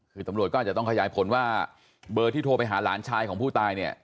คือตำรวจก็อาจจะต้องขยายผลว่าเบอร์ที่โทรไปหาหลานชายของผู้ตายเนี่ย